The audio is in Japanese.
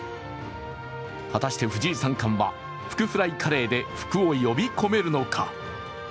果たして藤井三冠はふくフライカレーで、ふくを呼び込めるのか。